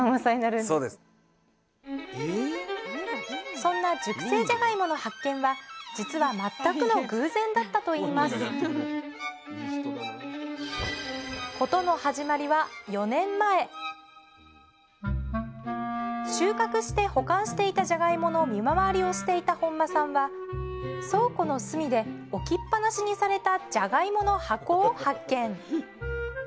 そんな熟成じゃがいもの発見は実は全くの偶然だったといいます事の始まりは収穫して保管していたじゃがいもの見回りをしていた本間さんは倉庫の隅で置きっぱなしにされたじゃがいもの箱を発見。